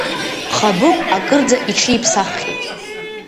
Хабыгә акырӡа иҽиԥсаххьеит.